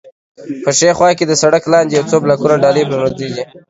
په ښي خوا کې د سړک لاندې یو څو بلاکونه د ډالۍ پلورنځی دی.